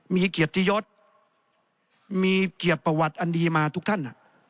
มีเกียรติยศมีเกียรติประวัติอันดีมาทุกท่าน